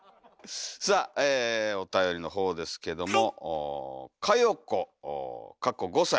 さあおたよりのほうですけども加代子５歳。